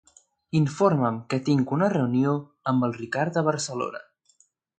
Informa'm que tinc una reunió amb el Ricard a Barcelona.